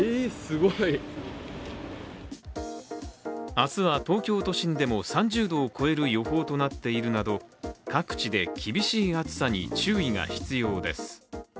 明日は東京都心でも３０度を超える予報となっているなど各地で厳しい暑さに注意が必要です。